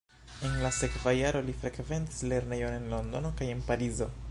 En la sekva jaro li frekventis lernejon en Londono kaj en Parizo.